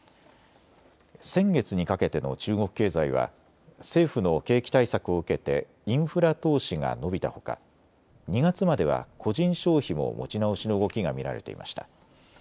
先月にかけての中国経済は政府の景気対策を受けてインフラ投資が伸びたほか２月までは個人消費も持ち直しの動きが見られていました。